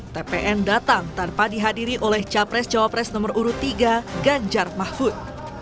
tpn datang tanpa dihadiri oleh capres cawapres nomor urut tiga ganjar mahfud